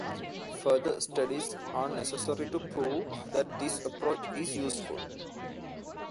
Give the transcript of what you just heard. Further studies are necessary to prove that this approach is useful.